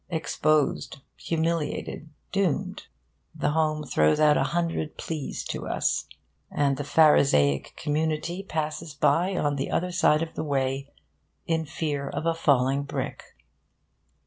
Exposed, humiliated, doomed, the home throws out a hundred pleas to us. And the Pharisaic community passes by on the other side of the way, in fear of a falling brick.